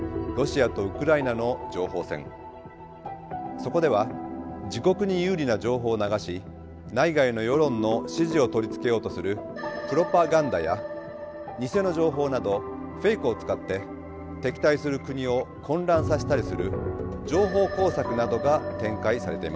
そこでは自国に有利な情報を流し内外の世論の支持を取り付けようとするプロパガンダや偽の情報などフェイクを使って敵対する国を混乱させたりする情報工作などが展開されています。